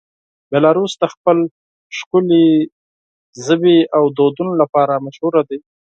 بیلاروس د خپل ښکلې ژبې او دودونو لپاره مشهوره دی.